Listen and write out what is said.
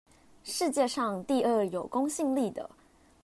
世界上第二有公信力的